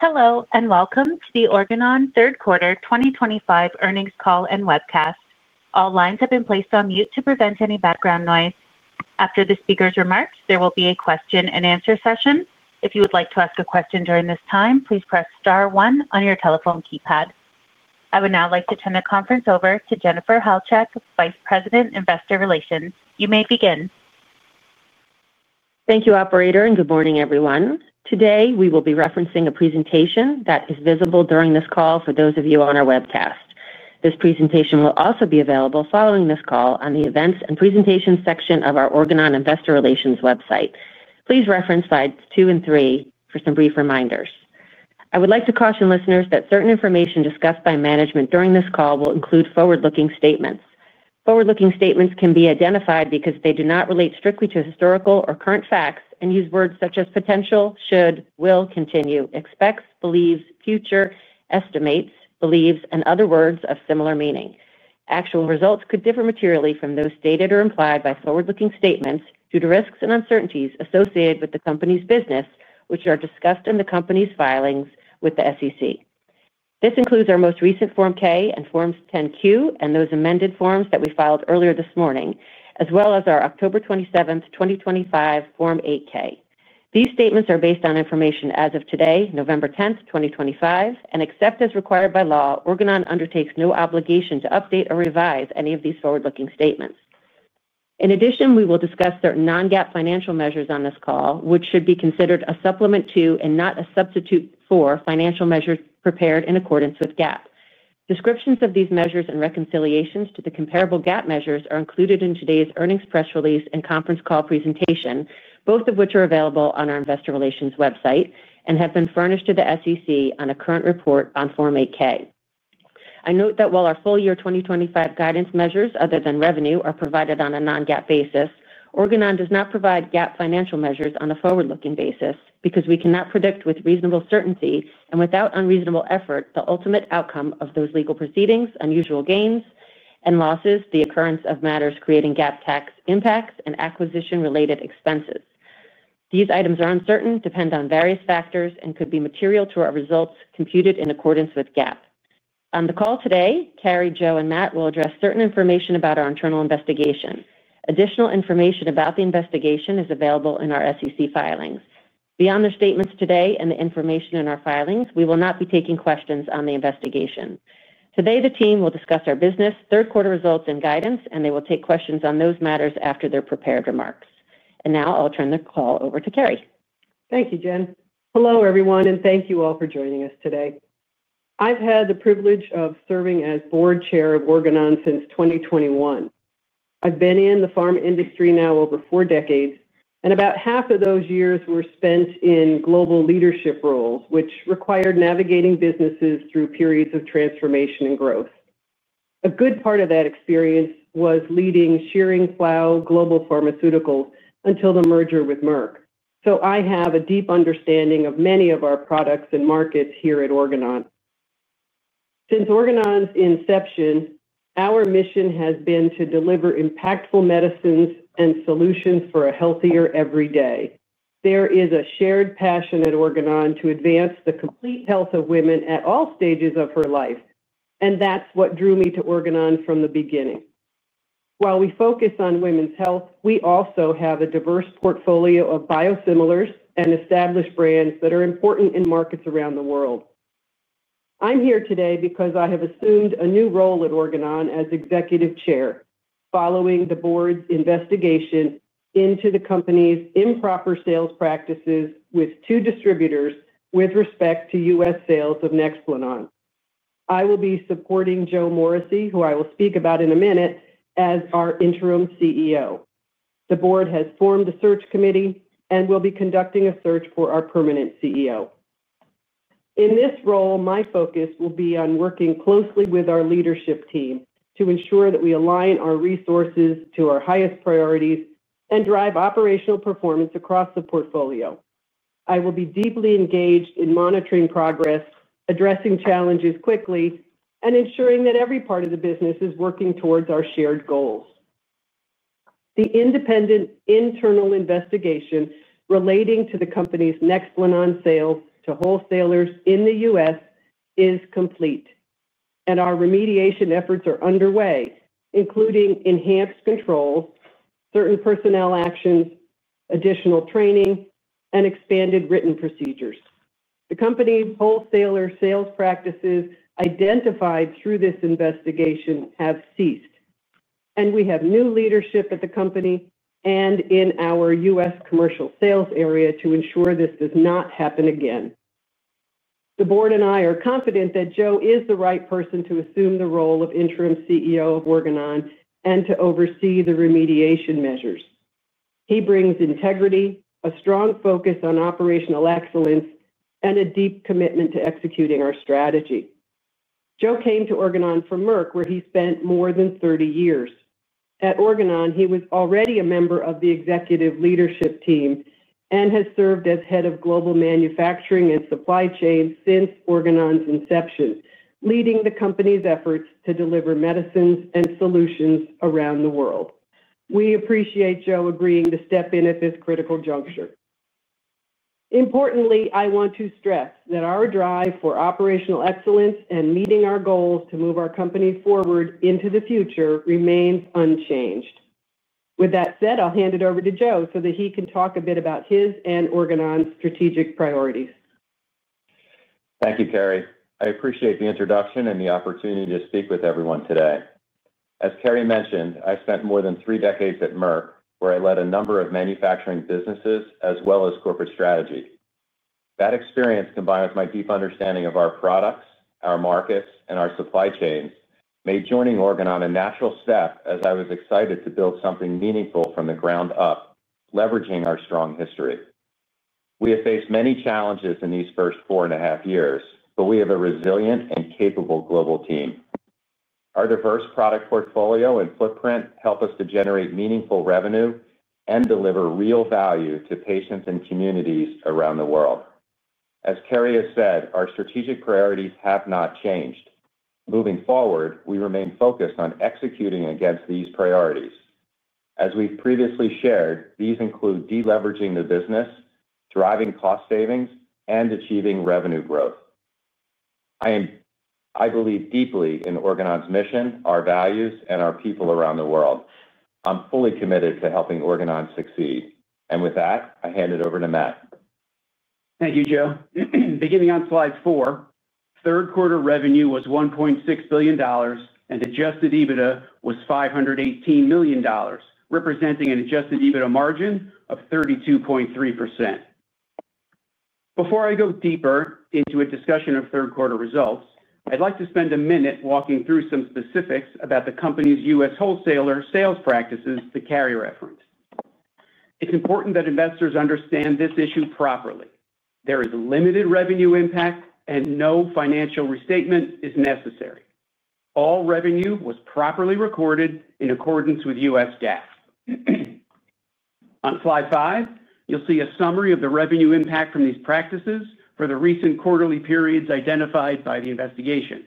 Hello, and welcome to the Organon Third Quarter 2025 earnings call and webcast. All lines have been placed on mute to prevent any background noise. After the speaker's remarks, there will be a question-and-answer session. If you would like to ask a question during this time, please press star one on your telephone keypad. I would now like to turn the conference over to Jennifer Halchak, Vice President, Investor Relations. You may begin. Thank you, Operator, and good morning, everyone. Today, we will be referencing a presentation that is visible during this call for those of you on our webcast. This presentation will also be available following this call on the events and presentations section of our Organon Investor Relations website. Please reference slides two and three for some brief reminders. I would like to caution listeners that certain information discussed by management during this call will include forward-looking statements. Forward-looking statements can be identified because they do not relate strictly to historical or current facts and use words such as potential, should, will continue, expects, believes, future, estimates, believes, and other words of similar meaning. Actual results could differ materially from those stated or implied by forward-looking statements due to risks and uncertainties associated with the company's business, which are discussed in the company's filings with the SEC. This includes our most recent Form K and Forms 10Q, and those amended forms that we filed earlier this morning, as well as our October 27, 2025, Form 8K. These statements are based on information as of today, November 10, 2025, and except as required by law, Organon undertakes no obligation to update or revise any of these forward-looking statements. In addition, we will discuss certain non-GAAP financial measures on this call, which should be considered a supplement to and not a substitute for financial measures prepared in accordance with GAAP. Descriptions of these measures and reconciliations to the comparable GAAP measures are included in today's earnings press release and conference call presentation, both of which are available on our Investor Relations website and have been furnished to the SEC on a current report on Form 8K. I note that while our full year 2025 guidance measures, other than revenue, are provided on a non-GAAP basis, Organon does not provide GAAP financial measures on a forward-looking basis because we cannot predict with reasonable certainty and without unreasonable effort the ultimate outcome of those legal proceedings, unusual gains and losses, the occurrence of matters creating GAAP tax impacts, and acquisition-related expenses. These items are uncertain, depend on various factors, and could be material to our results computed in accordance with GAAP. On the call today, Carrie, Joe, and Matt will address certain information about our internal investigation. Additional information about the investigation is available in our SEC filings. Beyond the statements today and the information in our filings, we will not be taking questions on the investigation. Today, the team will discuss our business, third quarter results, and guidance, and they will take questions on those matters after their prepared remarks. Now I'll turn the call over to Carrie. Thank you, Jen. Hello, everyone, and thank you all for joining us today. I've had the privilege of serving as Board Chair of Organon since 2021. I've been in the pharma industry now over four decades, and about half of those years were spent in global leadership roles, which required navigating businesses through periods of transformation and growth. A good part of that experience was leading Schering-Plough Global Pharmaceuticals until the merger with Merck. I have a deep understanding of many of our products and markets here at Organon. Since Organon's inception, our mission has been to deliver impactful medicines and solutions for a healthier every day. There is a shared passion at Organon to advance the complete health of women at all stages of her life, and that's what drew me to Organon from the beginning. While we focus on women's health, we also have a diverse portfolio of biosimilars and established brands that are important in markets around the world. I'm here today because I have assumed a new role at Organon as Executive Chair, following the board's investigation into the company's improper sales practices with two distributors with respect to U.S. sales of Nexplanon. I will be supporting Joe Morrissey, who I will speak about in a minute, as our interim CEO. The board has formed a search committee and will be conducting a search for our permanent CEO. In this role, my focus will be on working closely with our leadership team to ensure that we align our resources to our highest priorities and drive operational performance across the portfolio. I will be deeply engaged in monitoring progress, addressing challenges quickly, and ensuring that every part of the business is working towards our shared goals. The independent internal investigation relating to the company's Nexplanon sales to wholesalers in the U.S. is complete, and our remediation efforts are underway, including enhanced controls, certain personnel actions, additional training, and expanded written procedures. The company's wholesaler sales practices identified through this investigation have ceased, and we have new leadership at the company and in our U.S. commercial sales area to ensure this does not happen again. The board and I are confident that Joe is the right person to assume the role of interim CEO of Organon and to oversee the remediation measures. He brings integrity, a strong focus on operational excellence, and a deep commitment to executing our strategy. Joe came to Organon from Merck, where he spent more than 30 years. At Organon, he was already a member of the executive leadership team and has served as Head of Global Manufacturing and Supply Chain since Organon's inception, leading the company's efforts to deliver medicines and solutions around the world. We appreciate Joe agreeing to step in at this critical juncture. Importantly, I want to stress that our drive for operational excellence and meeting our goals to move our company forward into the future remains unchanged. With that said, I'll hand it over to Joe so that he can talk a bit about his and Organon's strategic priorities. Thank you, Carrie. I appreciate the introduction and the opportunity to speak with everyone today. As Carrie mentioned, I spent more than three decades at Merck, where I led a number of manufacturing businesses as well as corporate strategy. That experience, combined with my deep understanding of our products, our markets, and our supply chains, made joining Organon a natural step as I was excited to build something meaningful from the ground up, leveraging our strong history. We have faced many challenges in these first four and a half years, but we have a resilient and capable global team. Our diverse product portfolio and footprint help us to generate meaningful revenue and deliver real value to patients and communities around the world. As Carrie has said, our strategic priorities have not changed. Moving forward, we remain focused on executing against these priorities. As we've previously shared, these include deleveraging the business, driving cost savings, and achieving revenue growth. I believe deeply in Organon's mission, our values, and our people around the world. I'm fully committed to helping Organon succeed. With that, I hand it over to Matt. Thank you, Joe. Beginning on slide four, third quarter revenue was $1.6 billion, and adjusted EBITDA was $518 million, representing an Adjusted EBITDA margin of 32.3%. Before I go deeper into a discussion of third quarter results, I'd like to spend a minute walking through some specifics about the company's U.S. wholesaler sales practices that Carrie referenced. It's important that investors understand this issue properly. There is limited revenue impact, and no financial restatement is necessary. All revenue was properly recorded in accordance with U.S. GAAP. On slide five, you'll see a summary of the revenue impact from these practices for the recent quarterly periods identified by the investigation.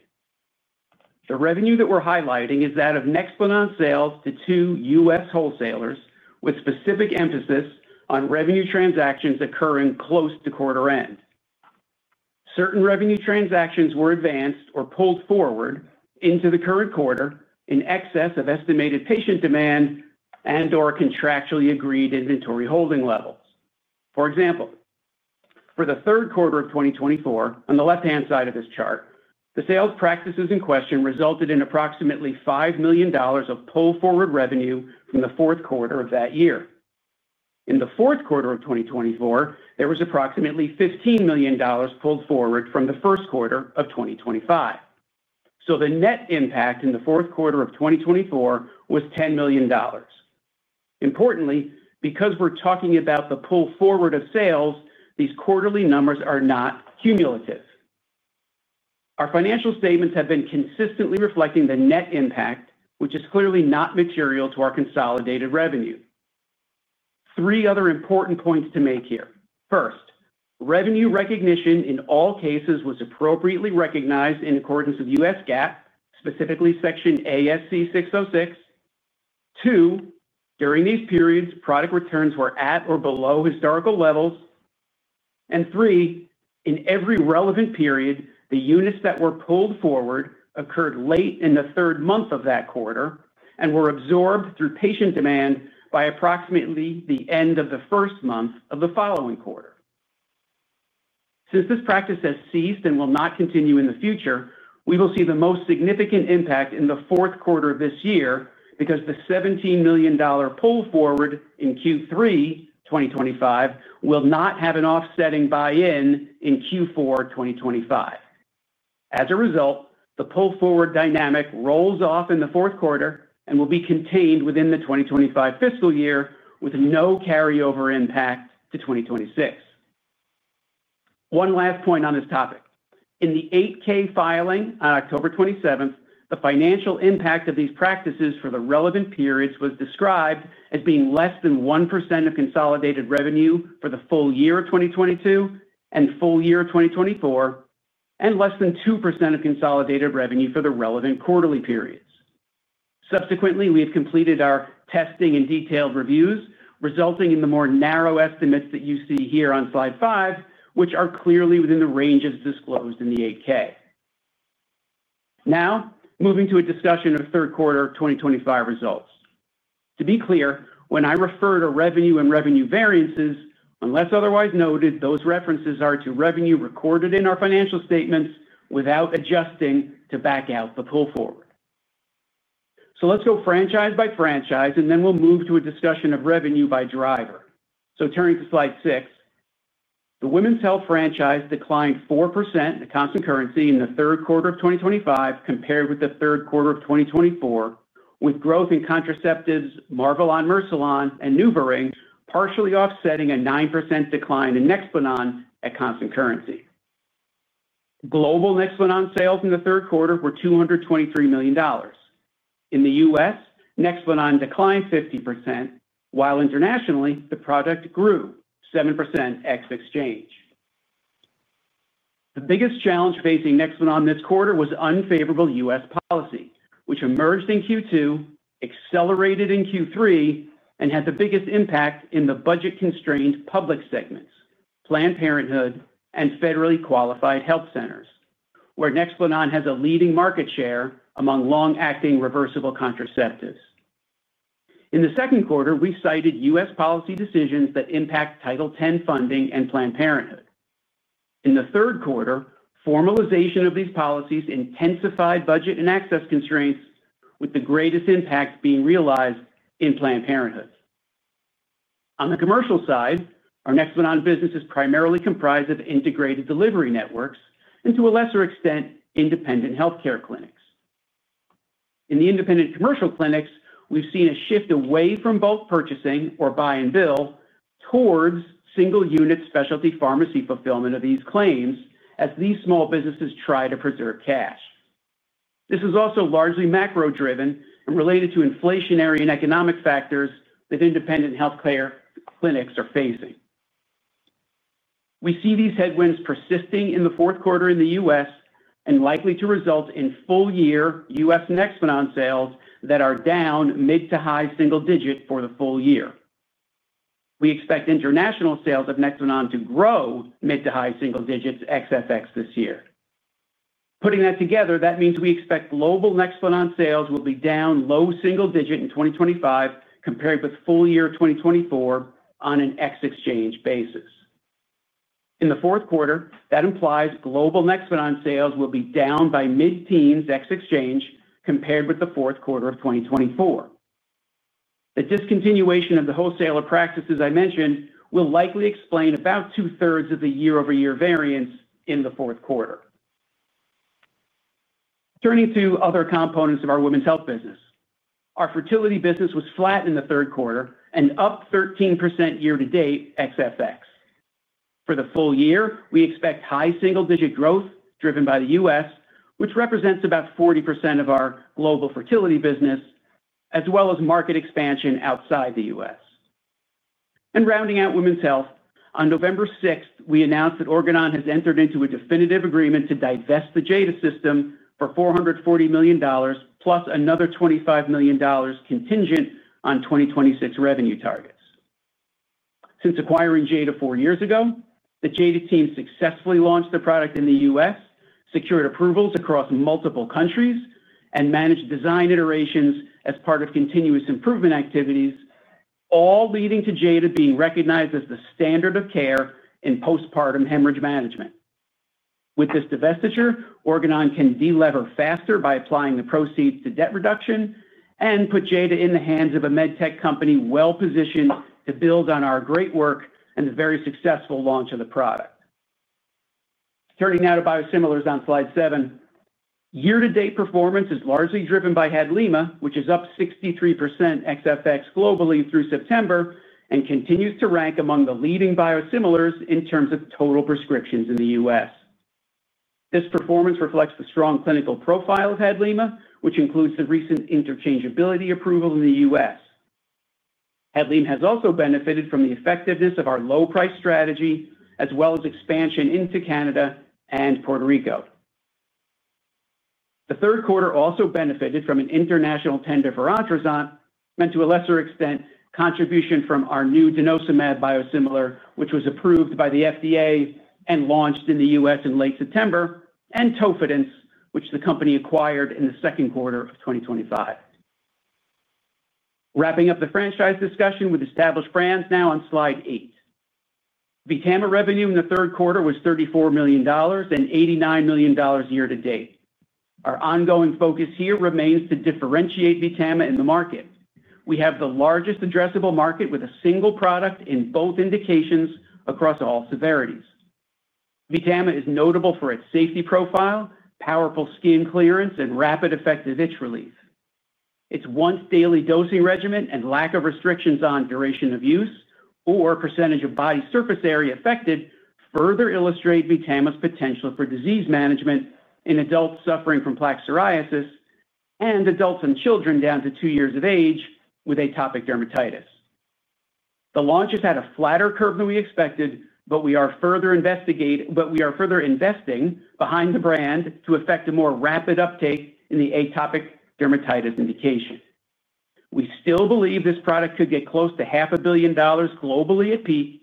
The revenue that we're highlighting is that of Nexplanon Sales to two U.S. Wholesalers, with specific emphasis on revenue transactions occurring close to quarter end. Certain revenue transactions were advanced or pulled forward into the current quarter in excess of estimated patient demand and/or contractually agreed inventory holding levels. For example, for the third quarter of 2024, on the left-hand side of this chart, the sales practices in question resulted in approximately $5 million of pull-forward revenue from the fourth quarter of that year. In the fourth quarter of 2024, there was approximately $15 million pulled forward from the first quarter of 2025. The net impact in the fourth quarter of 2024 was $10 million. Importantly, because we're talking about the pull-forward of sales, these quarterly numbers are not cumulative. Our financial statements have been consistently reflecting the net impact, which is clearly not material to our consolidated revenue. Three other important points to make here. First, revenue recognition in all cases was appropriately recognized in accordance with U.S. GAAP, specifically Section ASC 606. Two, during these periods, product returns were at or below historical levels. Three, in every relevant period, the units that were pulled forward occurred late in the third month of that quarter and were absorbed through patient demand by approximately the end of the first month of the following quarter. Since this practice has ceased and will not continue in the future, we will see the most significant impact in the fourth quarter of this year because the $17 million pull-forward in Q3 2025 will not have an offsetting buy-in in Q4 2025. As a result, the pull-forward dynamic rolls off in the fourth quarter and will be contained within the 2025 fiscal year with no carryover impact to 2026. One last point on this topic. In the 8K filing on October 27, the financial impact of these practices for the relevant periods was described as being less than 1% of consolidated revenue for the full year 2022 and full year 2024, and less than 2% of consolidated revenue for the relevant quarterly periods. Subsequently, we have completed our testing and detailed reviews, resulting in the more narrow estimates that you see here on slide five, which are clearly within the range as disclosed in the 8K. Now, moving to a discussion of third quarter 2025 results. To be clear, when I refer to revenue and revenue variances, unless otherwise noted, those references are to revenue recorded in our financial statements without adjusting to back out the pull-forward. Let's go franchise by franchise, and then we'll move to a discussion of revenue by driver. Turning to slide six, the women's health franchise declined 4% in the cost concurrency in the third quarter of 2025 compared with the third quarter of 2024, with growth in contraceptives, Marvelon, Mercilon, and NuvaRing partially offsetting a 9% decline in Nexplanon at cost concurrency. Global Nexplanon sales in the third quarter were $223 million. In the U.S., Nexplanon declined 50%, while internationally, the product grew 7% ex-exchange. The biggest challenge facing Nexplanon this quarter was unfavorable U.S. policy, which emerged in Q2, accelerated in Q3, and had the biggest impact in the budget-constrained public segments, Planned Parenthood and federally qualified health centers, where Nexplanon has a leading market share among long-acting reversible contraceptives. In the second quarter, we cited U.S. policy decisions that impact Title X funding and Planned Parenthood. In the third quarter, formalization of these policies intensified budget and access constraints, with the greatest impact being realized in Planned Parenthood. On the commercial side, our Nexplanon business is primarily comprised of integrated delivery networks and, to a lesser extent, independent healthcare clinics. In the independent commercial clinics, we've seen a shift away from bulk purchasing or buy-and-bill towards single-unit specialty pharmacy fulfillment of these claims as these small businesses try to preserve cash. This is also largely macro-driven and related to inflationary and economic factors that independent healthcare clinics are facing. We see these headwinds persisting in the fourth quarter in the U.S. and likely to result in full-year U.S. Nexplanon sales that are down mid to high single digit for the full year. We expect international sales of Nexplanon to grow mid to high single digits ex-FX this year. Putting that together, that means we expect global Nexplanon sales will be down low single digit in 2025 compared with full-year 2024 on an ex-exchange basis. In the fourth quarter, that implies global Nexplanon sales will be down by mid-teens ex-exchange compared with the fourth quarter of 2024. The discontinuation of the wholesaler practices I mentioned will likely explain about two-thirds of the year-over-year variance in the fourth quarter. Turning to other components of our women's health business, our fertility business was flat in the third quarter and up 13% year-to-date ex-FX. For the full year, we expect high single-digit growth driven by the U.S., which represents about 40% of our global fertility business, as well as market expansion outside the U.S. Rounding out women's health, on November 6, we announced that Organon has entered into a definitive agreement to divest the JADA system for $440 million, plus another $25 million contingent on 2026 revenue targets. Since acquiring JADA four years ago, the JADA team successfully launched the product in the U.S., secured approvals across multiple countries, and managed design iterations as part of continuous improvement activities, all leading to JADA being recognized as the standard of care in postpartum hemorrhage management. With this divestiture, Organon can delever faster by applying the proceeds to debt reduction and put JADA in the hands of a medtech company well-positioned to build on our great work and the very successful launch of the product. Turning now to biosimilars on slide seven, year-to-date performance is largely driven by Hadlima, which is up 63% ex-FX globally through September and continues to rank among the leading biosimilars in terms of total prescriptions in the U.S. This performance reflects the strong clinical profile of Hadlima, which includes the recent interchangeability approval in the U.S. Hadlima has also benefited from the effectiveness of our low-price strategy, as well as expansion into Canada and Puerto Rico. The third quarter also benefited from an international tender for Ontruzant, and to a lesser extent, contribution from our new Denosumab biosimilar, which was approved by the FDA and launched in the U.S. in late September, and Tofidence, which the company acquired in the second quarter of 2025. Wrapping up the franchise discussion with established brands now on slide eight. VTAMA revenue in the third quarter was $34 million and $89 million year-to-date. Our ongoing focus here remains to differentiate VTAMA in the market. We have the largest addressable market with a single product in both indications across all severities. VTAMA is notable for its safety profile, powerful skin clearance, and rapid effect of itch relief. Its once-daily dosing regimen and lack of restrictions on duration of use or percentage of body surface area affected further illustrate VTAMA's potential for disease management in adults suffering from plaque psoriasis and adults and children down to two years of age with atopic dermatitis. The launch has had a flatter curve than we expected, but we are further investing behind the brand to affect a more rapid uptake in the atopic dermatitis indication. We still believe this product could get close to $500,000,000 globally at peak,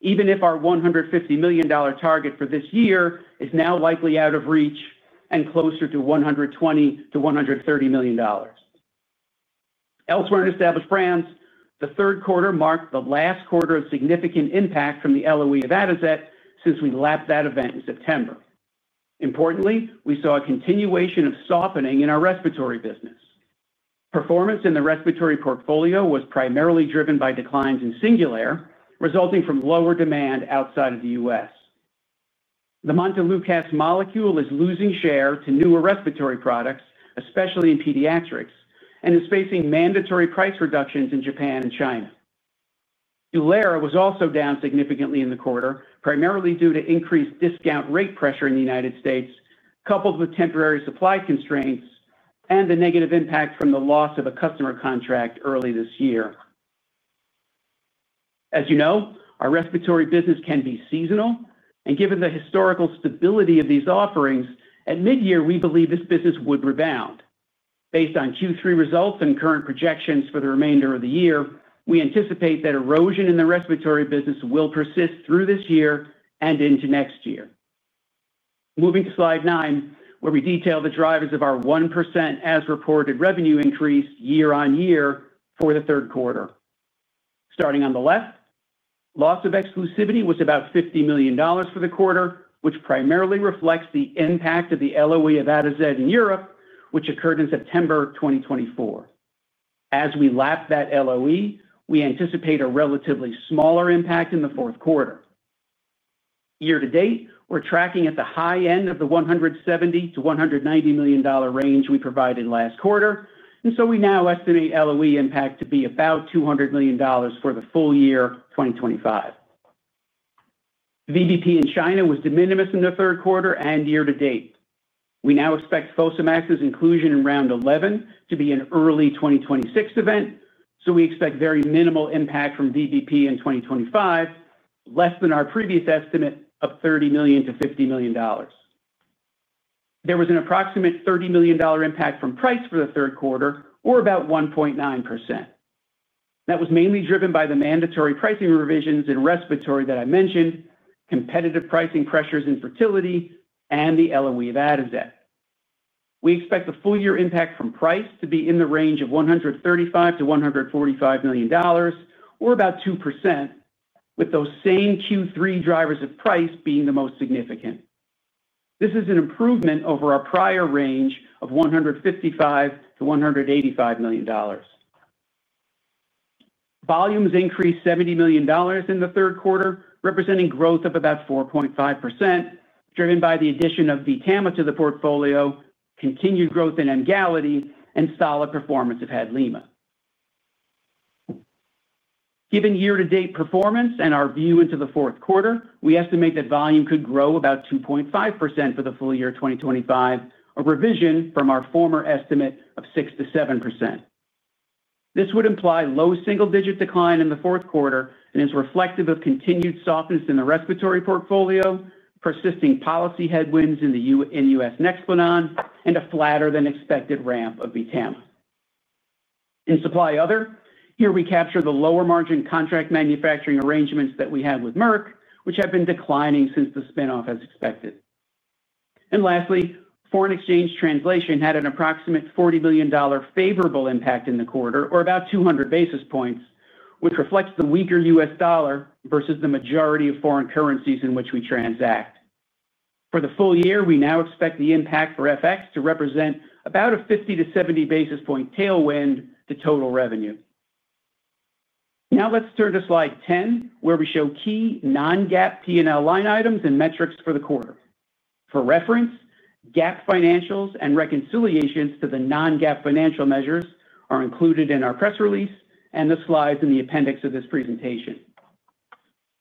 even if our $150,000,000 target for this year is now likely out of reach and closer to $120,000,000-$130,000,000. Elsewhere in established brands, the third quarter marked the last quarter of significant impact from the Eloi Avataset since we lapped that event in September. Importantly, we saw a continuation of softening in our respiratory business. Performance in the respiratory portfolio was primarily driven by declines in Singulair, resulting from lower demand outside of the U.S. The Montelukast molecule is losing share to newer respiratory products, especially in pediatrics, and is facing mandatory price reductions in Japan and China. DULERA was also down significantly in the quarter, primarily due to increased discount rate pressure in the U.S., coupled with temporary supply constraints and the negative impact from the loss of a customer contract early this year. As you know, our respiratory business can be seasonal, and given the historical stability of these offerings, at mid-year, we believed this business would rebound. Based on Q3 results and current projections for the remainder of the year, we anticipate that erosion in the respiratory business will persist through this year and into next year. Moving to slide nine, where we detail the drivers of our 1% as-reported revenue increase year-on-year for the third quarter. Starting on the left, loss of exclusivity was about $50 million for the quarter, which primarily reflects the impact of the Ilumya loss of exclusivity in Europe, which occurred in September 2024. As we lap that LOE, we anticipate a relatively smaller impact in the fourth quarter. Year-to-date, we're tracking at the high end of the $170 million-$190 million range we provided last quarter, and so we now estimate LOE impact to be about $200 million for the full year 2025. VBP in China was de minimis in the third quarter and year-to-date. We now expect Fosamax's inclusion in round 11 to be an early 2026 event, so we expect very minimal impact from VBP in 2025, less than our previous estimate of $30 million-$50 million. There was an approximate $30 million impact from price for the third quarter, or about 1.9%. That was mainly driven by the mandatory pricing revisions in respiratory that I mentioned, competitive pricing pressures in fertility, and the LOE of Ilumya. We expect the full-year impact from price to be in the range of $135-$145 million, or about 2%, with those same Q3 drivers of price being the most significant. This is an improvement over our prior range of $155-$185 million. Volumes increased $70 million in the third quarter, representing growth of about 4.5%, driven by the addition of VTAMA to the portfolio, continued growth in Emgality, and solid performance of Hadlima. Given year-to-date performance and our view into the fourth quarter, we estimate that volume could grow about 2.5% for the full year 2025, a revision from our former estimate of 6%-7%. This would imply low single-digit decline in the fourth quarter and is reflective of continued softness in the respiratory portfolio, persisting policy headwinds in the U.S. Nexplanon, and a flatter-than-expected ramp of VTAMA. In supply other, here we capture the lower-margin contract manufacturing arrangements that we had with Merck, which have been declining since the spinoff, as expected. Lastly, foreign exchange translation had an approximate $40 million favorable impact in the quarter, or about 200 basis points, which reflects the weaker U.S. dollar versus the majority of foreign currencies in which we transact. For the full year, we now expect the impact for FX to represent about a 50-70 basis point tailwind to total revenue. Now let's turn to slide 10, where we show key non-GAAP P&L line items and metrics for the quarter. For reference, GAAP financials and reconciliations to the non-GAAP financial measures are included in our press release and the slides in the appendix of this presentation.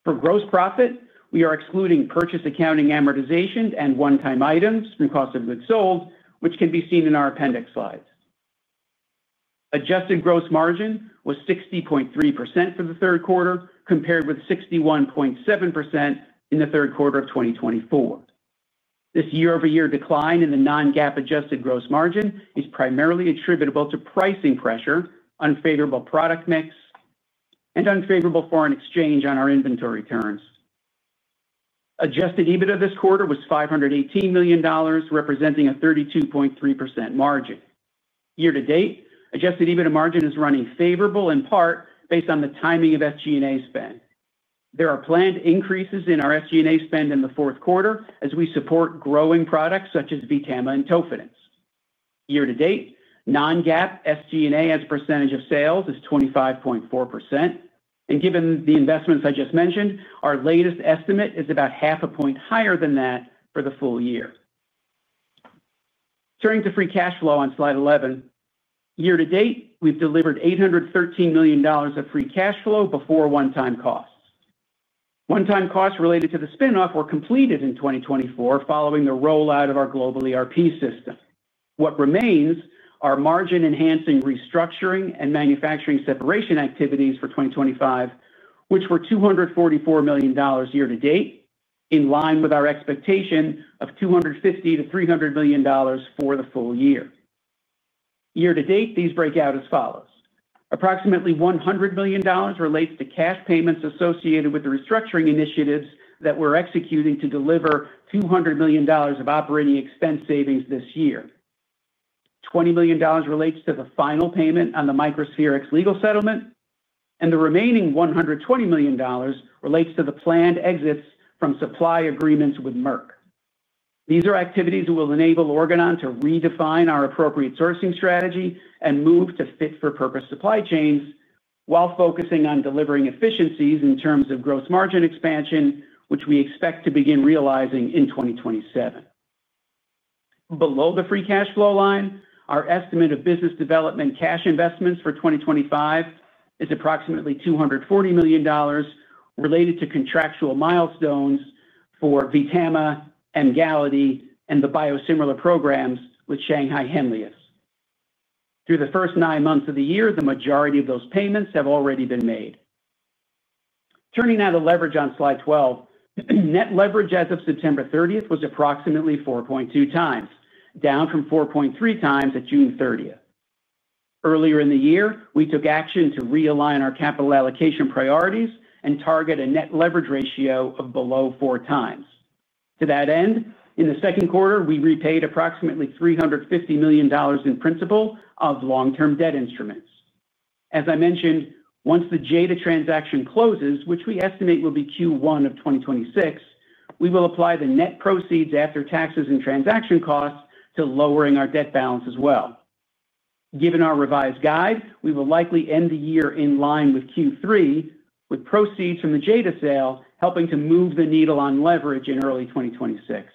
For gross profit, we are excluding purchase accounting amortization and one-time items from cost of goods sold, which can be seen in our appendix slides. Adjusted gross margin was 60.3% for the third quarter, compared with 61.7% in the third quarter of 2024. This year-over-year decline in the non-GAAP adjusted gross margin is primarily attributable to pricing pressure, unfavorable product mix, and unfavorable foreign exchange on our inventory terms. Adjusted EBITDA this quarter was $518 million, representing a 32.3% margin. Year-to-date, adjusted EBITDA margin is running favorable in part based on the timing of SG&A spend. There are planned increases in our SG&A spend in the fourth quarter as we support growing products such as VTAMA and Tofidence. Year-to-date, non-GAAP SG&A as a percentage of sales is 25.4%, and given the investments I just mentioned, our latest estimate is about half a point higher than that for the full year. Turning to free cash flow on slide 11, year-to-date, we've delivered $813 million of free cash flow before one-time costs. One-time costs related to the spinoff were completed in 2024 following the rollout of our global ERP system. What remains are margin-enhancing restructuring and manufacturing separation activities for 2025, which were $244 million year-to-date, in line with our expectation of $250-$300 million for the full year. Year-to-date, these break out as follows. Approximately $100 million relates to cash payments associated with the restructuring initiatives that we're executing to deliver $200 million of operating expense savings this year. $20 million relates to the final payment on the microspheric legal settlement, and the remaining $120 million relates to the planned exits from supply agreements with Merck. These are activities that will enable Organon to redefine our appropriate sourcing strategy and move to fit-for-purpose supply chains while focusing on delivering efficiencies in terms of gross margin expansion, which we expect to begin realizing in 2027. Below the free cash flow line, our estimate of business development cash investments for 2025 is approximately $240 million related to contractual milestones for VTAMA, Emgality, and the biosimilar programs with Shanghai Henlius. Through the first nine months of the year, the majority of those payments have already been made. Turning now to leverage on slide 12, net leverage as of September 30 was approximately 4.2 times, down from 4.3 times at June 30. Earlier in the year, we took action to realign our capital allocation priorities and target a net leverage ratio of below four times. To that end, in the second quarter, we repaid approximately $350 million in principal of long-term debt instruments. As I mentioned, once the JADA transaction closes, which we estimate will be Q1 of 2026, we will apply the net proceeds after taxes and transaction costs to lowering our debt balance as well. Given our revised guide, we will likely end the year in line with Q3, with proceeds from the JADA sale helping to move the needle on leverage in early 2026.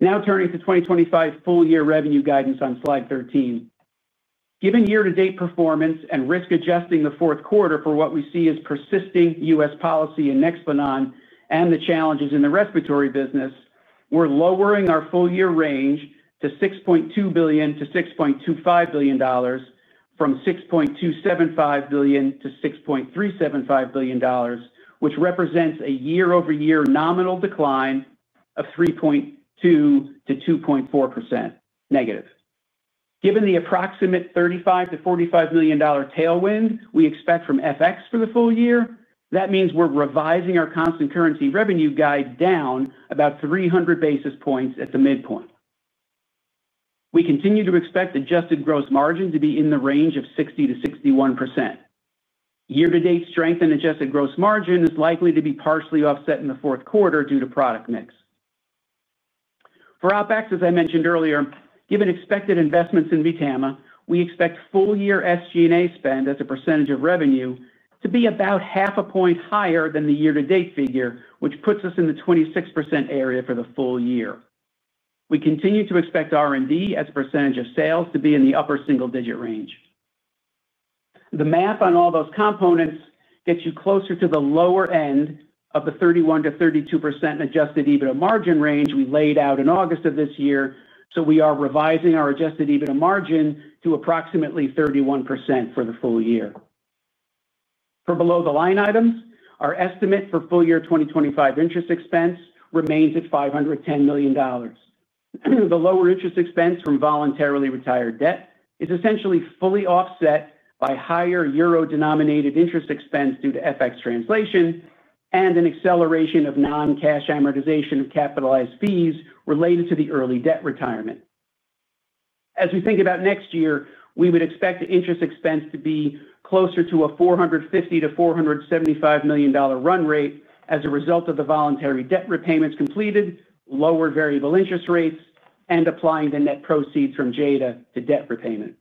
Now turning to 2025 full-year revenue guidance on slide 13. Given year-to-date performance and risk-adjusting the fourth quarter for what we see as persisting U.S. policy in Nexplanon and the challenges in the respiratory business, we're lowering our full-year range to $6.2 billion-$6.25 billion, from $6.275 billion-$6.375 billion, which represents a year-over-year nominal decline of 3.2%-2.4% negative. Given the approximate $35 million-$45 million tailwind we expect from FX for the full year, that means we're revising our constant currency revenue guide down about 300 basis points at the midpoint. We continue to expect adjusted gross margin to be in the range of 60%-61%. Year-to-date strength in adjusted gross margin is likely to be partially offset in the fourth quarter due to product mix. For OpEx, as I mentioned earlier, given expected investments in VTAMA, we expect full-year SG&A spend as a percentage of revenue to be about half a point higher than the year-to-date figure, which puts us in the 26% area for the full year. We continue to expect R&D as a percentage of sales to be in the upper single-digit range. The math on all those components gets you closer to the lower end of the 31%-32% adjusted EBITDA margin range we laid out in August of this year, so we are revising our adjusted EBITDA margin to approximately 31% for the full year. For below the line items, our estimate for full-year 2025 interest expense remains at $510 million. The lower interest expense from voluntarily retired debt is essentially fully offset by higher euro-denominated interest expense due to FX translation and an acceleration of non-cash amortization of capitalized fees related to the early debt retirement. As we think about next year, we would expect interest expense to be closer to a $450-$475 million run rate as a result of the voluntary debt repayments completed, lower variable interest rates, and applying the net proceeds from JADA to debt repayment.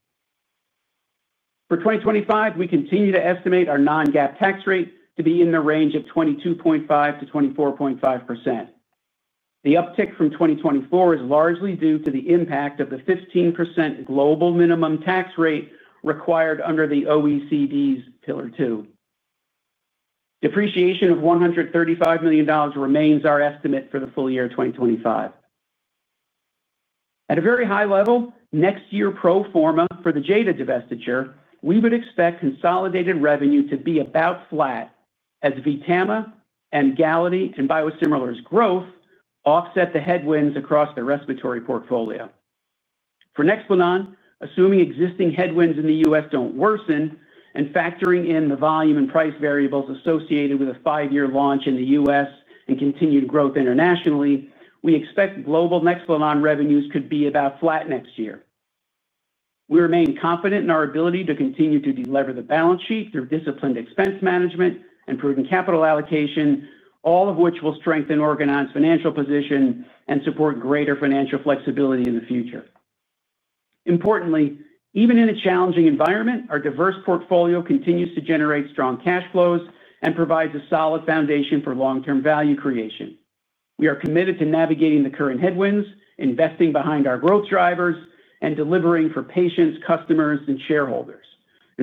For 2025, we continue to estimate our non-GAAP tax rate to be in the range of 22.5-24.5%. The uptick from 2024 is largely due to the impact of the 15% global minimum tax rate required under the OECD's Pillar 2. Depreciation of $135 million remains our estimate for the full year 2025. At a very high level, next year pro forma for the JADA divestiture, we would expect consolidated revenue to be about flat as VTAMA, Emgality, and biosimilars' growth offset the headwinds across the respiratory portfolio. For Nexplanon, assuming existing headwinds in the U.S. do not worsen and factoring in the volume and price variables associated with a five-year launch in the U.S. and continued growth internationally, we expect global Nexplanon revenues could be about flat next year. We remain confident in our ability to continue to deliver the balance sheet through disciplined expense management and prudent capital allocation, all of which will strengthen Organon's financial position and support greater financial flexibility in the future. Importantly, even in a challenging environment, our diverse portfolio continues to generate strong cash flows and provides a solid foundation for long-term value creation. We are committed to navigating the current headwinds, investing behind our growth drivers, and delivering for patients, customers, and shareholders.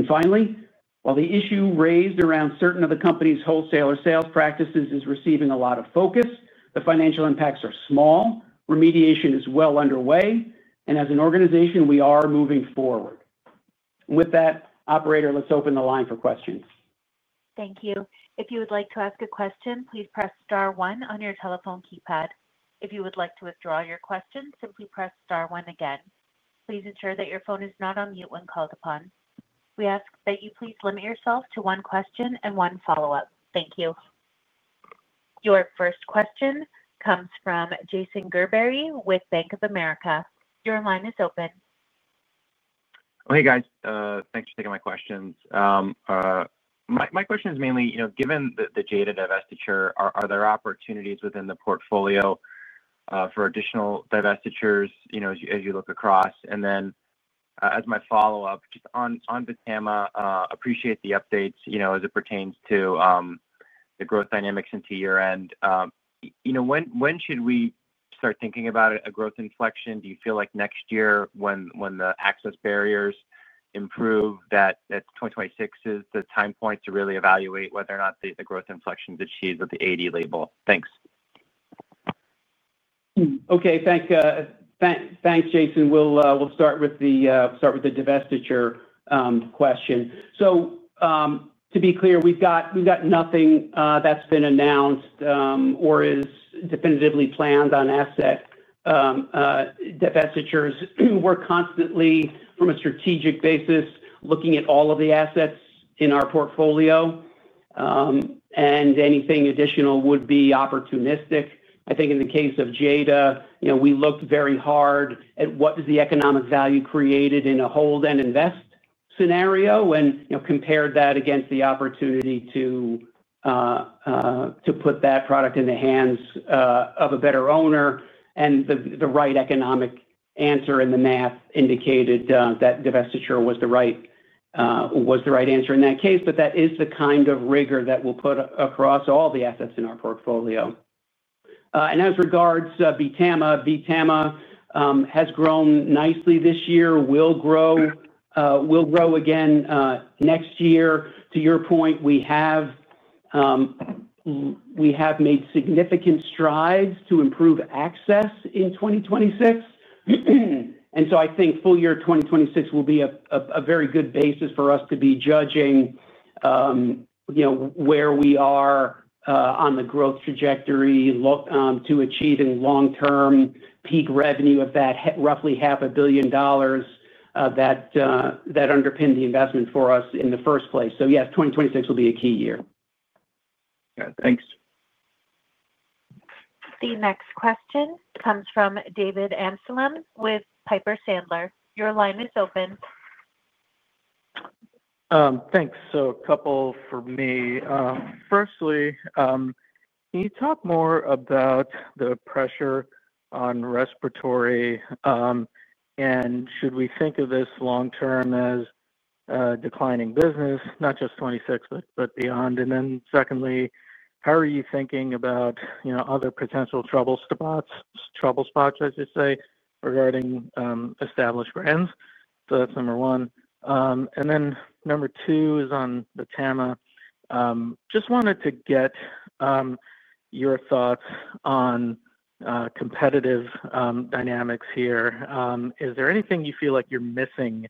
Finally, while the issue raised around certain of the company's wholesaler sales practices is receiving a lot of focus, the financial impacts are small, remediation is well underway, and as an organization, we are moving forward. With that, Operator, let's open the line for questions. Thank you. If you would like to ask a question, please press star one on your telephone keypad. If you would like to withdraw your question, simply press star one again. Please ensure that your phone is not on mute when called upon. We ask that you please limit yourself to one question and one follow-up. Thank you. Your first question comes from Jason Gerberry with Bank of America. Your line is open. Hey, guys. Thanks for taking my questions. My question is mainly, given the JADA divestiture, are there opportunities within the portfolio for additional divestitures as you look across? As my follow-up, just on VTAMA, appreciate the updates as it pertains to the growth dynamics into year-end. When should we start thinking about a growth inflection? Do you feel like next year, when the access barriers improve, that 2026 is the time point to really evaluate whether or not the growth inflection achieves the 80 label? Thanks. Okay. Thanks, Jason. We'll start with the divestiture question. To be clear, we've got nothing that's been announced or is definitively planned on asset divestitures. We're constantly, from a strategic basis, looking at all of the assets in our portfolio, and anything additional would be opportunistic. I think in the case of JADA, we looked very hard at what is the economic value created in a hold and invest scenario and compared that against the opportunity to put that product in the hands of a better owner. The right economic answer in the math indicated that divestiture was the right answer in that case, but that is the kind of rigor that we'll put across all the assets in our portfolio. As regards VTAMA, VTAMA has grown nicely this year, will grow again next year. To your point, we have made significant strides to improve access in 2026. I think full year 2026 will be a very good basis for us to be judging where we are on the growth trajectory to achieving long-term peak revenue of that roughly $500,000,000 that underpinned the investment for us in the first place. Yes, 2026 will be a key year. Thanks. The next question comes from David Amsellem with Piper Sandler. Your line is open. Thanks. A couple for me. Firstly, can you talk more about the pressure on respiratory? Should we think of this long-term as declining business, not just 2026, but beyond? Secondly, how are you thinking about other potential trouble spots, as you say, regarding established brands? That is number one. Number two is on VTAMA. Just wanted to get your thoughts on competitive dynamics here. Is there anything you feel like you're missing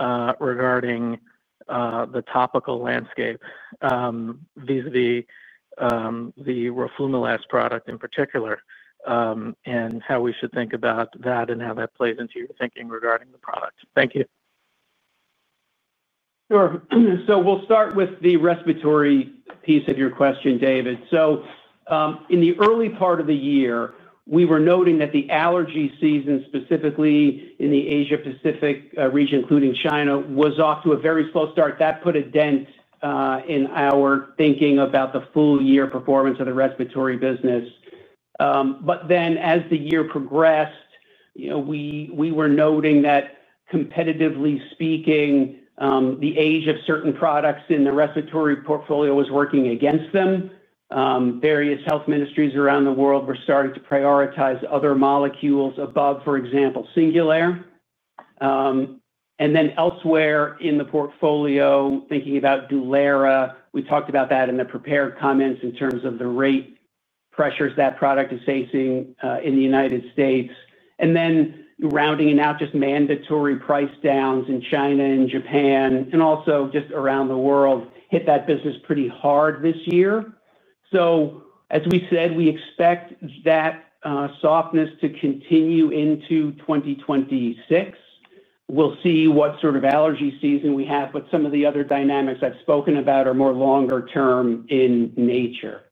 regarding the topical landscape vis-à-vis the Roflumilast product in particular, and how we should think about that and how that plays into your thinking regarding the product? Thank you. Sure. We'll start with the respiratory piece of your question, David. In the early part of the year, we were noting that the allergy season, specifically in the Asia-Pacific region, including China, was off to a very slow start. That put a dent in our thinking about the full-year performance of the respiratory business. As the year progressed, we were noting that, competitively speaking, the age of certain products in the respiratory portfolio was working against them. Various health ministries around the world were starting to prioritize other molecules above, for example, Singulair. Elsewhere in the portfolio, thinking about DULERA, we talked about that in the prepared comments in terms of the rate pressures that product is facing in the U.S. Rounding out just mandatory price downs in China and Japan, and also just around the world, hit that business pretty hard this year. As we said, we expect that softness to continue into 2026. We'll see what sort of allergy season we have, but some of the other dynamics I've spoken about are more longer-term in nature.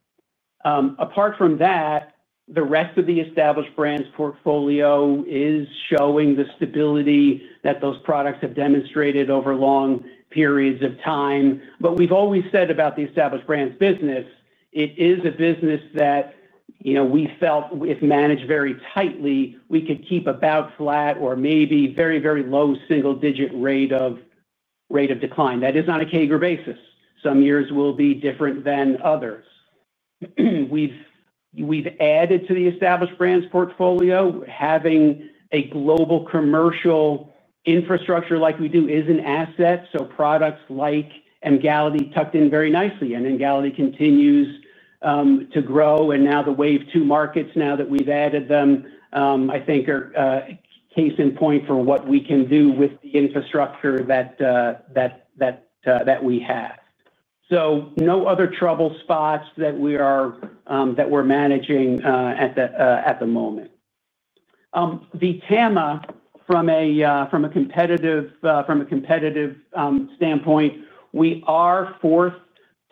Apart from that, the rest of the established brands portfolio is showing the stability that those products have demonstrated over long periods of time. We've always said about the established brands business, it is a business that we felt if managed very tightly, we could keep about flat or maybe very, very low single-digit rate of decline. That is on a CAGR basis. Some years will be different than others. We've added to the established brands portfolio. Having a global commercial infrastructure like we do is an asset. Products like Emgality tucked in very nicely, and Emgality continues to grow. Now the wave two markets, now that we've added them, I think are a case in point for what we can do with the infrastructure that we have. No other trouble spots that we're managing at the moment. VTAMA, from a competitive standpoint, we are fourth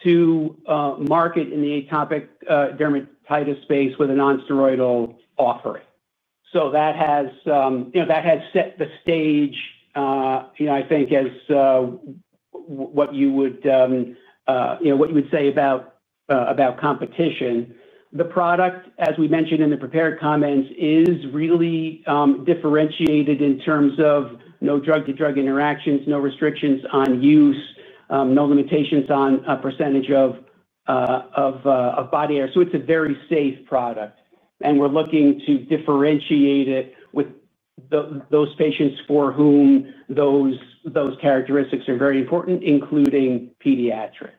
to market in the atopic dermatitis space with a nonsteroidal offering. That has set the stage, I think, as what you would say about competition. The product, as we mentioned in the prepared comments, is really differentiated in terms of no drug-to-drug interactions, no restrictions on use, no limitations on a percentage of body hair. So it's a very safe product. We're looking to differentiate it with those patients for whom those characteristics are very important, including pediatrics.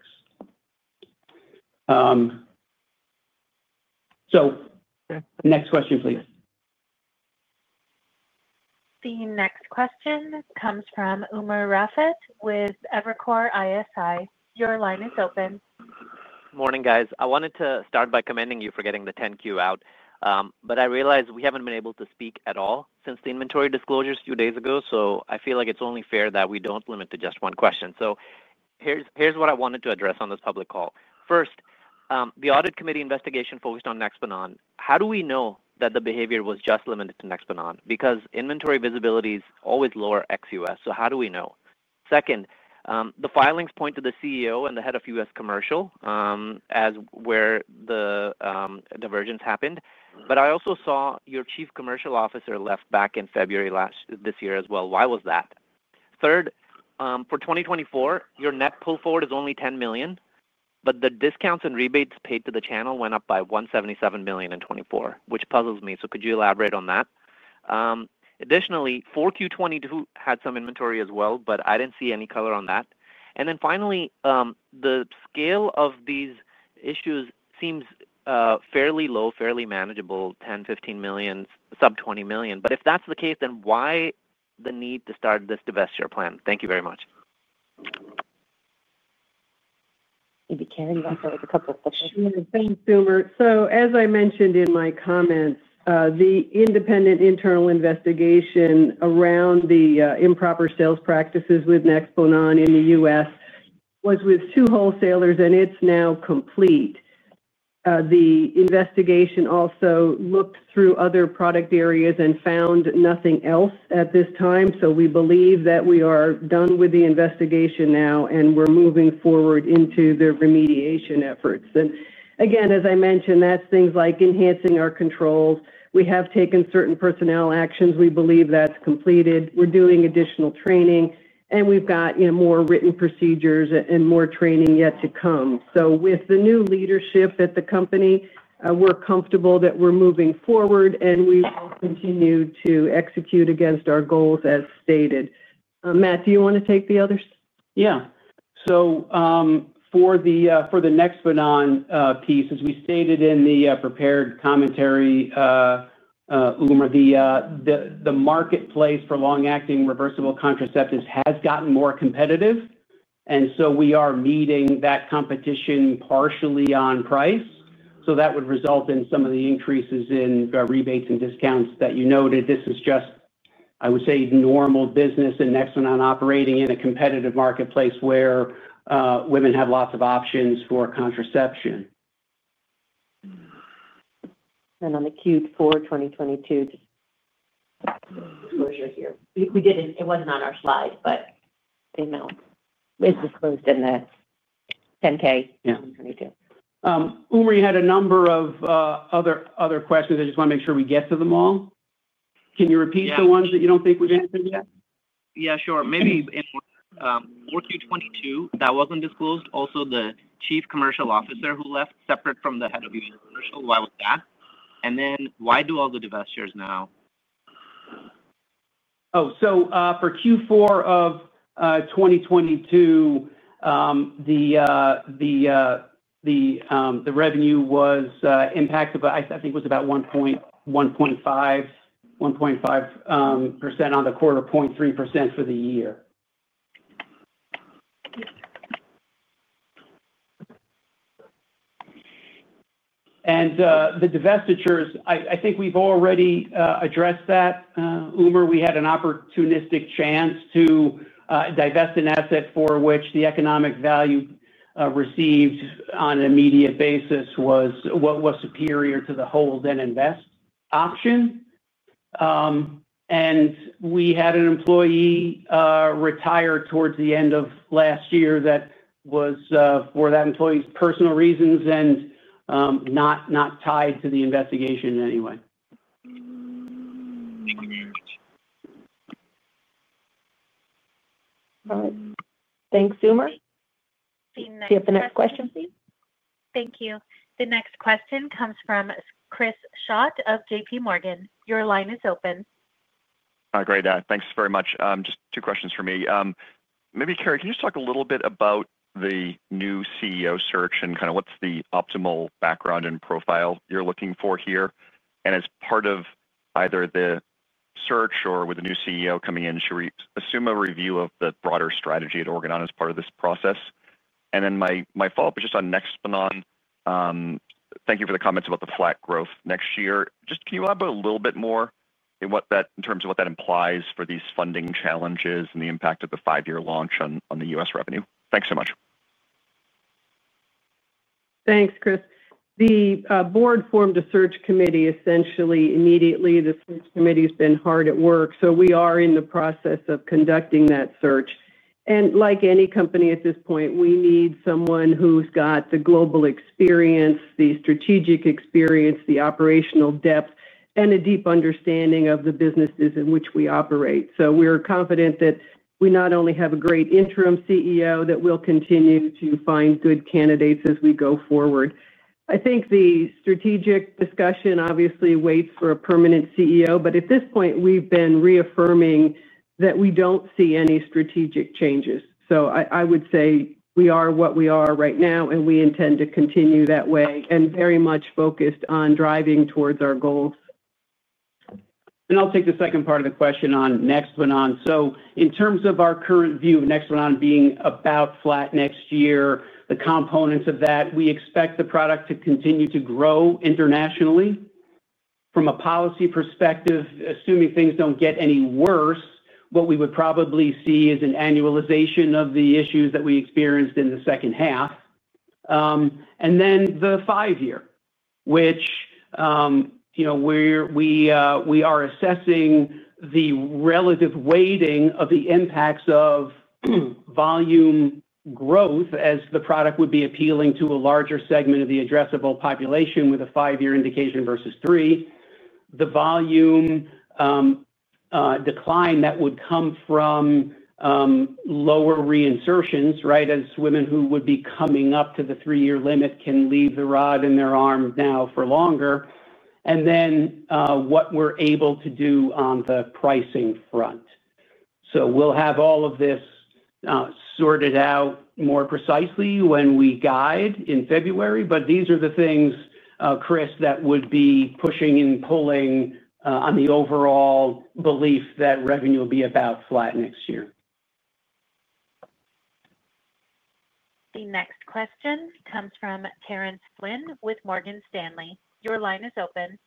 Next question, please. The next question comes from Umer Raffat with Evercore ISI. Your line is open. Morning, guys. I wanted to start by commending you for getting the 10Q out, but I realize we haven't been able to speak at all since the inventory disclosures a few days ago, so I feel like it's only fair that we don't limit to just one question. Here's what I wanted to address on this public call. First, the audit committee investigation focused on Nexplanon. How do we know that the behavior was just limited to Nexplanon? Because inventory visibility is always lower XUS, so how do we know? Second, the filings point to the CEO and the head of U.S. Commercial as where the divergence happened. I also saw your Chief Commercial Officer left back in February this year as well. Why was that? Third, for 2024, your net pull forward is only $10 million, but the discounts and rebates paid to the channel went up by $177 million in 2024, which puzzles me. Could you elaborate on that? Additionally, Q4 2022 had some inventory as well, but I did not see any color on that. Finally, the scale of these issues seems fairly low, fairly manageable, $10 million, $15 million, sub $20 million. If that is the case, then why the need to start this divestiture plan? Thank you very much. Maybe Carrie can answer with a couple of questions. Thanks, Umer. As I mentioned in my comments, the independent internal investigation around the improper sales practices with Nexplanon in the U.S. was with two wholesalers, and it's now complete. The investigation also looked through other product areas and found nothing else at this time. We believe that we are done with the investigation now, and we're moving forward into the remediation efforts. As I mentioned, that's things like enhancing our controls. We have taken certain personnel actions. We believe that's completed. We're doing additional training, and we've got more written procedures and more training yet to come. With the new leadership at the company, we're comfortable that we're moving forward, and we will continue to execute against our goals as stated. Matt, do you want to take the others? Yeah. For the Nexplanon piece, as we stated in the prepared commentary, Umer, the marketplace for long-acting reversible contraceptives has gotten more competitive. We are meeting that competition partially on price. That would result in some of the increases in rebates and discounts that you noted. This is just, I would say, normal business in Nexplanon operating in a competitive marketplace where women have lots of options for contraception. On the Q4 2022 disclosure here, we did not. It was not on our slide, but they have now been disclosed in the 10K 2022. Umer, you had a number of other questions. I just want to make sure we get to them all. Can you repeat the ones that you do not think we have answered yet? Yeah, sure. Maybe in 4Q22, that was not disclosed. Also, the Chief Commercial Officer who left separate from the Head of U.S. Commercial, why was that? And then why do all the divestitures now? For Q4 of 2022, the revenue was impacted, I think it was about 1.5% on the quarter, 0.3% for the year. The divestitures, I think we've already addressed that, Umar. We had an opportunistic chance to divest an asset for which the economic value received on an immediate basis was superior to the hold and invest option. We had an employee retire towards the end of last year that was for that employee's personal reasons and not tied to the investigation in any way. All right. Thanks, Umar. See you next week. See you at the next question, please. Thank you. The next question comes from Chris Schott of JPMorgan. Your line is open. Hi, great. Thanks very much. Just two questions for me. Maybe Carrie, can you just talk a little bit about the new CEO search and kind of what's the optimal background and profile you're looking for here? As part of either the search or with a new CEO coming in, should we assume a review of the broader strategy at Organon as part of this process? My follow-up is just on Nexplanon. Thank you for the comments about the flat growth next year. Can you elaborate a little bit more in terms of what that implies for these funding challenges and the impact of the five-year launch on the U.S. revenue? Thanks so much. Thanks, Chris. The board formed a search committee essentially immediately. The search committee has been hard at work. We are in the process of conducting that search. Like any company at this point, we need someone who's got the global experience, the strategic experience, the operational depth, and a deep understanding of the businesses in which we operate. We're confident that we not only have a great interim CEO, that we'll continue to find good candidates as we go forward. I think the strategic discussion obviously waits for a permanent CEO, but at this point, we've been reaffirming that we don't see any strategic changes. I would say we are what we are right now, and we intend to continue that way and very much focused on driving towards our goals. I'll take the second part of the question on Nexplanon. In terms of our current view of Nexplanon being about flat next year, the components of that, we expect the product to continue to grow internationally. From a policy perspective, assuming things don't get any worse, what we would probably see is an annualization of the issues that we experienced in the second half. The five-year, which we are assessing, the relative weighting of the impacts of volume growth as the product would be appealing to a larger segment of the addressable population with a five-year indication versus three. The volume decline that would come from lower reinsertions, right, as women who would be coming up to the three-year limit can leave the rod in their arm now for longer. What we are able to do on the pricing front. We will have all of this sorted out more precisely when we guide in February, but these are the things, Chris, that would be pushing and pulling on the overall belief that revenue will be about flat next year. The next question comes from Terence Flynn with Morgan Stanley. Your line is open.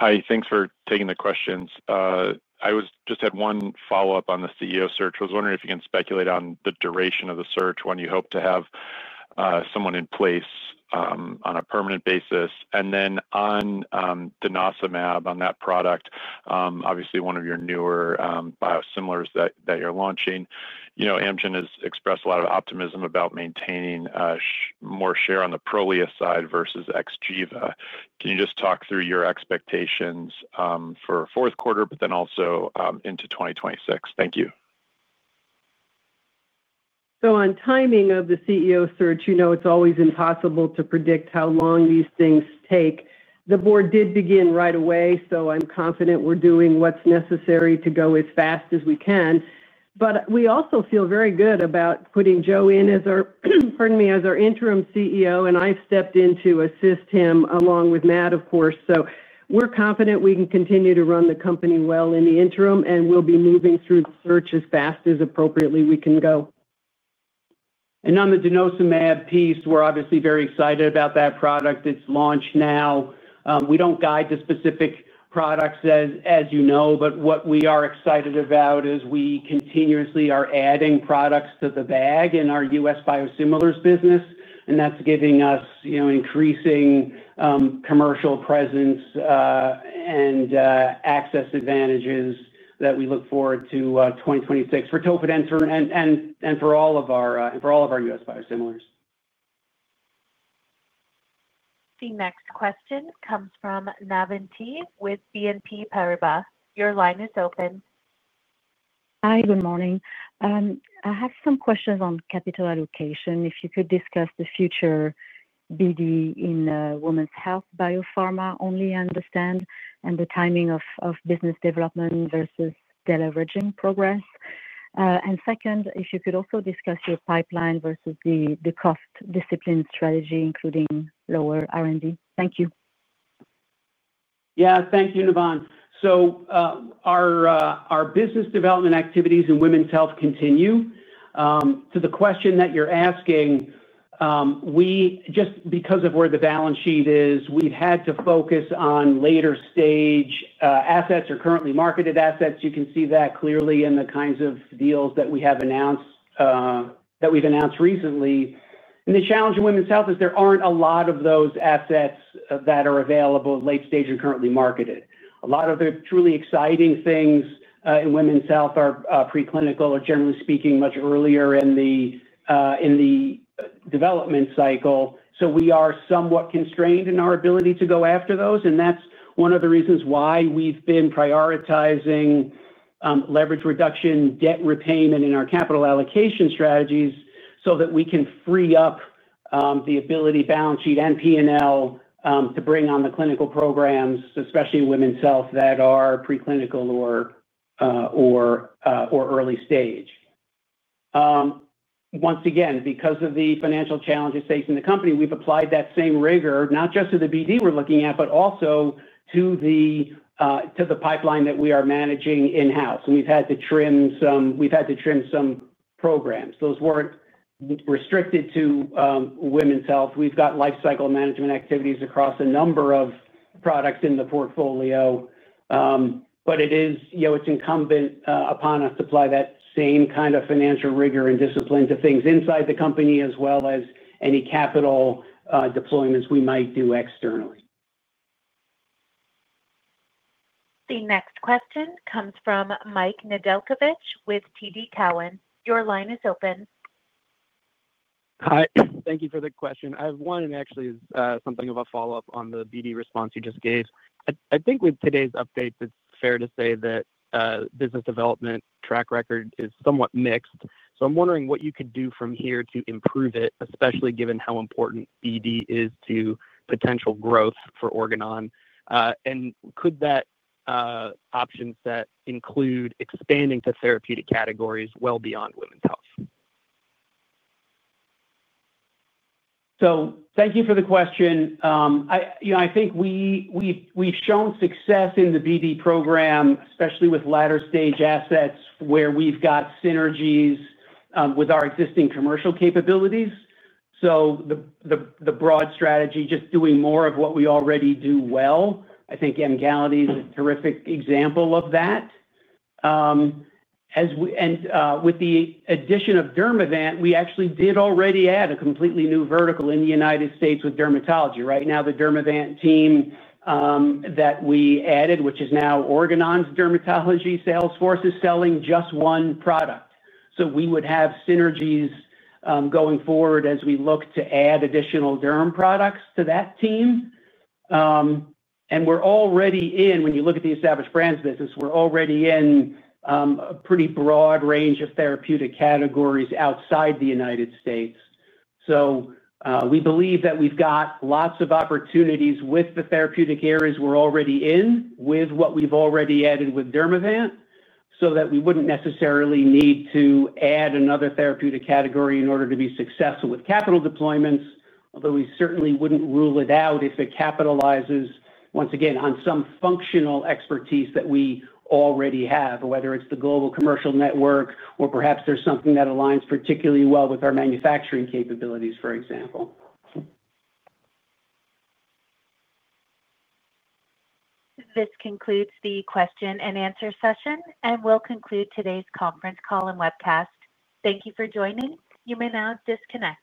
Hi. Thanks for taking the questions. I just had one follow-up on the CEO search. I was wondering if you can speculate on the duration of the search, when you hope to have someone in place on a permanent basis. And then on Denosumab, on that product, obviously one of your newer biosimilars that you're launching, Amgen has expressed a lot of optimism about maintaining more share on the Prolia side versus Xgeva. Can you just talk through your expectations for fourth quarter, but then also into 2026? Thank you. On timing of the CEO search, you know it's always impossible to predict how long these things take. The board did begin right away, so I'm confident we're doing what's necessary to go as fast as we can. We also feel very good about putting Joe in as our interim CEO, and I've stepped in to assist him along with Matt, of course. We're confident we can continue to run the company well in the interim, and we'll be moving through the search as fast as appropriately we can go. On the Denosumab piece, we're obviously very excited about that product. It's launched now. We don't guide the specific products, as you know, but what we are excited about is we continuously are adding products to the bag in our U.S. biosimilars business, and that's giving us increasing commercial presence and access advantages that we look forward to 2026 for Tofidence and for all of our U.S. biosimilars. The next question comes from Navann Ty with BNP Paribas. Your line is open. Hi, good morning. I have some questions on capital allocation. If you could discuss the future BD in women's health biopharma only, I understand, and the timing of business development versus deleveraging progress. Second, if you could also discuss your pipeline versus the cost discipline strategy, including lower R&D. Thank you. Yeah, thank you, Navann. Our business development activities in women's health continue. To the question that you're asking, just because of where the balance sheet is, we've had to focus on later-stage assets or currently marketed assets. You can see that clearly in the kinds of deals that we have announced recently. The challenge in women's health is there are not a lot of those assets that are available late-stage and currently marketed. A lot of the truly exciting things in women's health are preclinical or, generally speaking, much earlier in the development cycle. We are somewhat constrained in our ability to go after those, and that's one of the reasons why we've been prioritizing leverage reduction, debt repayment in our capital allocation strategies so that we can free up the ability, balance sheet and P&L to bring on the clinical programs, especially women's health that are preclinical or early-stage. Once again, because of the financial challenges facing the company, we've applied that same rigor not just to the BD we're looking at, but also to the pipeline that we are managing in-house. We've had to trim some programs. Those weren't restricted to women's health. We've got life cycle management activities across a number of products in the portfolio, but it's incumbent upon us to apply that same kind of financial rigor and discipline to things inside the company as well as any capital deployments we might do externally. The next question comes from Michael Nedelcovych with TD Cowen. Your line is open. Hi. Thank you for the question. I have one and actually something of a follow-up on the BD response you just gave. I think with today's update, it's fair to say that business development track record is somewhat mixed. I am wondering what you could do from here to improve it, especially given how important BD is to potential growth for Organon. Could that option set include expanding to therapeutic categories well beyond women's health? Thank you for the question. I think we've shown success in the BD program, especially with latter-stage assets where we've got synergies with our existing commercial capabilities. The broad strategy is just doing more of what we already do well. I think Emgality is a terrific example of that. With the addition of Dermavant, we actually did already add a completely new vertical in the U.S. with dermatology. Right now, the Dermavant team that we added, which is now Organon's dermatology sales force, is selling just one product. We would have synergies going forward as we look to add additional derm products to that team. We are already in, when you look at the established brands business, a pretty broad range of therapeutic categories outside the U.S. We believe that we've got lots of opportunities with the therapeutic areas we're already in with what we've already added with Dermavant so that we wouldn't necessarily need to add another therapeutic category in order to be successful with capital deployments, although we certainly wouldn't rule it out if it capitalizes, once again, on some functional expertise that we already have, whether it's the global commercial network or perhaps there's something that aligns particularly well with our manufacturing capabilities, for example. This concludes the question and answer session and will conclude today's conference call and webcast. Thank you for joining. You may now disconnect.